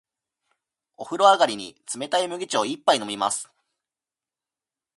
お風呂上がりに、冷たい麦茶を一杯飲みます。